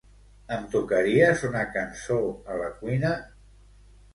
Em tocaries una cançó a la cuina?